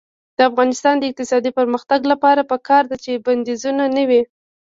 د افغانستان د اقتصادي پرمختګ لپاره پکار ده چې بندیزونه نه وي.